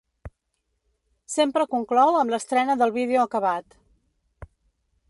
Sempre conclou amb l'estrena del vídeo acabat.